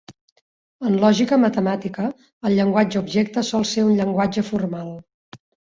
En lògica matemàtica, el llenguatge objecte sol ser un llenguatge formal.